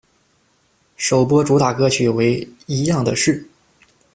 首波主打歌曲为《一样的是》。